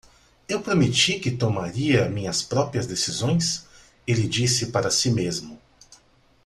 "Eu prometi que tomaria minhas próprias decisões?", ele disse para si mesmo.